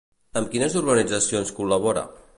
Amb quines organitzacions col·labora?